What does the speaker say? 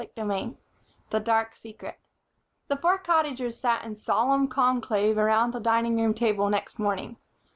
CHAPTER VI The Dark Secret THE four Cottagers sat in solemn conclave round the dining room table next morning.